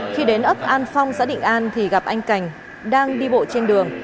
khi đến ấp an phong xã định an thì gặp anh cành đang đi bộ trên đường